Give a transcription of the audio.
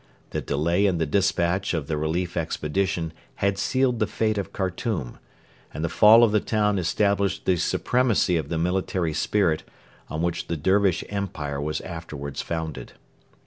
The delay in the despatch of the relief expedition had sealed the fate of Khartoum, and the fall of the town established the supremacy of the military spirit on which the Dervish Empire was afterwards founded.